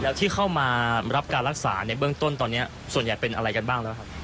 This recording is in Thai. แล้วที่เข้ามารับการรักษาในเบื้องต้นตอนนี้ส่วนใหญ่เป็นอะไรกันบ้างแล้วครับ